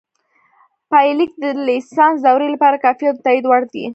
پایلیک د لیسانس دورې لپاره کافي او د تائید وړ دی